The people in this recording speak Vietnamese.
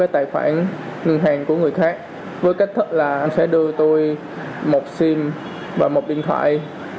tài khoản ngân hàng của người khác với cách thức là anh sẽ đưa tôi một sim và một điện thoại